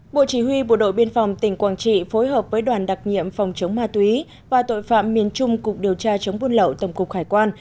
bộ chỉ huy bộ đội biên phòng tỉnh quảng trị phối hợp với đoàn đặc nhiệm phòng chống ma túy và tội phạm miền trung cục điều tra chống buôn lậu tổng cục hải quan